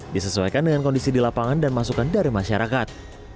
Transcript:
disesuaikan dengan kondisi di lapangan dan masukan dari masyarakat